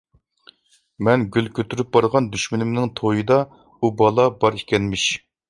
مەن گۈل كۆتۈرۈپ بارغان دۈشمىنىمنىڭ تويىدا ئۇ بالا بار ئىكەنمىش.